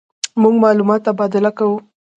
مونږ معلومات تبادله کوو.